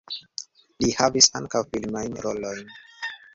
Li havis ankaŭ filmajn rolojn.